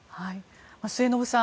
末延さん